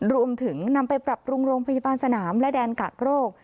รวมถึงนำไปปรับปรุงโรงพยาบาลสนามและแดนกักโรค